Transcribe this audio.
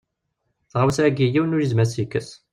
Taɣawsa-ayi yiwen ur yezmir ad as-tt-yekkes.